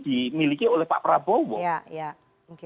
dimiliki oleh pak prabowo